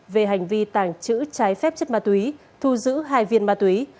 về hành vi tàng trữ trái phép chất ma túy thu giữ hai viên ma túy